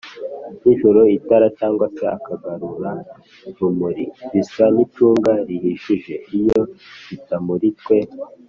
nijoro itara cg se akagarurarumuri bisa n’icunga rihishije iyo bitamuritwe